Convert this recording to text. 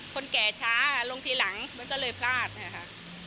คนแก่ช้าลงทีหลังมันก็เลยพลาดนะคะ